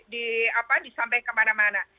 di apa disampai kemana mana